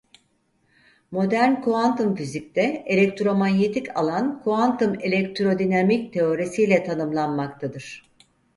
Modern kuantum fizikte elektromanyetik alan kuantum elektrodinamik teorisiyle tanımlanmaktadır.